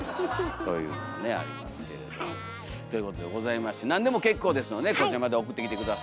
というねえありますけれども。ということでございまして何でも結構ですのでこちらまで送ってきて下さいお願いします。